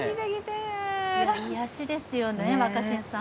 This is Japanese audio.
癒やしですよね、若新さん。